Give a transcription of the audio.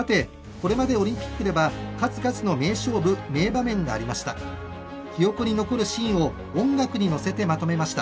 これまで、オリンピックでは数々の名勝負名場面がありました。